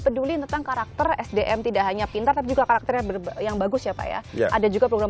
peduli tentang karakter sdm tidak hanya pintar tapi juga karakternya yang bagus ya pak ya ada juga program